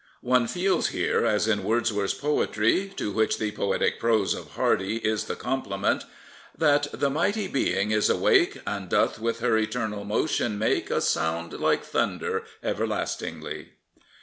One feels here, as in Wordsworth's poetry — ^to which the poetic prose of Hardy is the comple ment — ^that The mighty Being is awake, And doth with her eternal motion, make A sound like thunder, everlastingly.